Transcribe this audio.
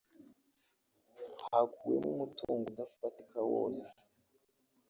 hakuwemo umutungo udafatika wose